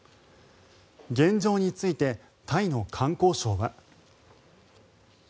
現状についてタイの観光省は。